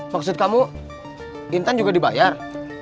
maksud kamu intan juga dibayar